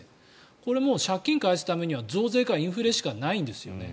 これも借金を返すためには増税かインフレしかないんですよね。